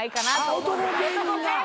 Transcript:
男芸人が。